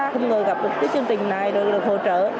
không ngờ gặp được cái chương trình này rồi được hỗ trợ